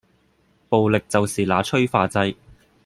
暴力就是那催化劑